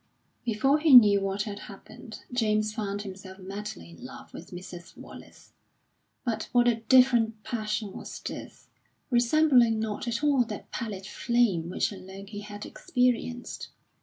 Before he knew what had happened, James found himself madly in love with Mrs. Wallace. But what a different passion was this, resembling not at all that pallid flame which alone he had experienced!